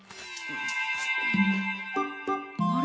あれ？